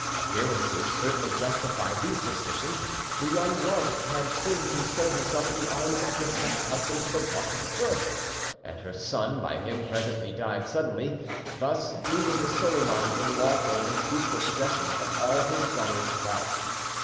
Appearances certainly justified these suspicions. The young wife had soon consoled herself in the arms of her second husband for the loss of the first, and her son by him presently died suddenly, thus leaving Soliman in lawful and peaceful possession of all his brother's wealth.